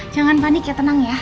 jangan panik ya tenang ya